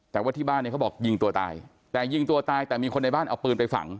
แต่ว่าที่บ้านเนี่ยเขาบอกยิงตัวตายแต่ยิงตัวตายแต่มีคนในบ้านเอาปืนไปฝัง